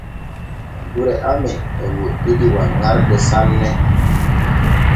Gure amen e woɗɗidi wanŋarde sanne.